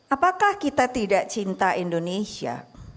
apakah kita tidak cinta indonesia